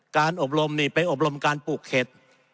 การอบรมนี่ไปอบรมการปลูกเข็ด